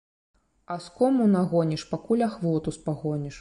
Аскому нагоніш, пакуль ахвоту спагоніш.